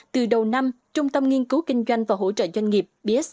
từ đầu năm trung tâm nghiên cứu kinh doanh và hỗ trợ doanh nghiệp